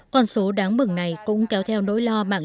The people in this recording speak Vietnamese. con số đáng mừng này cũng kéo theo nỗi lo mạng